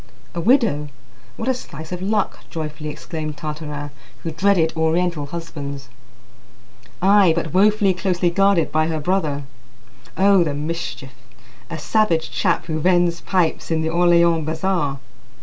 "A widow! What a slice of luck!" joyfully exclaimed Tartarin, who dreaded Oriental husbands. "Ay, but woefully closely guarded by her brother." "Oh, the mischief!" "A savage chap who vends pipes in the Orleans bazaar."